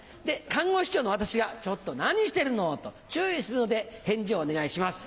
看護師長の私が「ちょっと何してるの」と注意するので返事をお願いします。